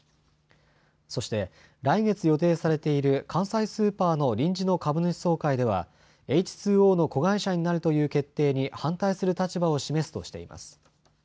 そして来月予定されている関西スーパーの臨時の株主総会ではエイチ・ツー・オーの子会社になるという決定に反対する立場を示すとしています。